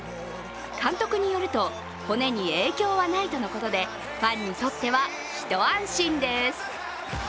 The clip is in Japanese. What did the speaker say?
監督によると、骨に影響はないとのことでファンにとっては一安心です。